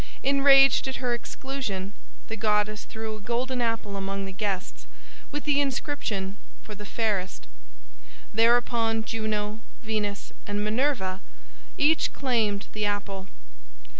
Enraged at her exclusion, the goddess threw a golden apple among the guests, with the inscription, "For the fairest." Thereupon Juno, Venus, and Minerva each claimed the apple.